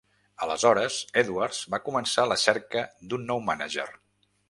Aleshores, Edwards va començar la cerca d'un nou mànager.